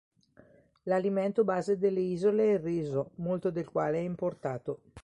L'alimento base delle isole è il riso, molto del quale è importato.